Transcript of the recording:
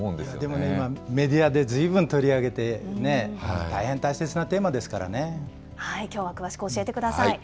でもね、今、メディアでずいぶん取り上げてね、大変大切なテきょうは詳しく教えてください。